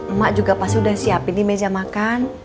emak juga pasti udah siapin di meja makan